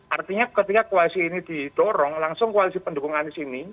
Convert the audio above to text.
artinya ketika koalisi ini didorong langsung koalisi pendukung anies ini